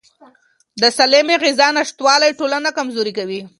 د سالمې غذا نشتوالی ټولنه کمزوري کوي.